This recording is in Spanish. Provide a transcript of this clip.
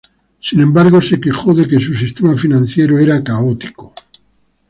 Sin embargo, se quejó de que su sistema financiero era caótico.